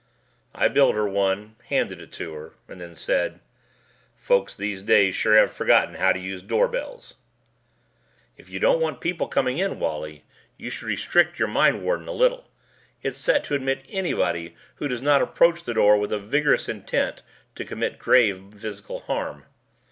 I built her one, handed it to her, and then said, "Folks these days sure have forgotten how to use doorbells." "If you don't want people coming in, Wally, you should restrict your mindwarden a little. It's set to admit anybody who does not approach the door with vigorous intent to commit grave physical harm.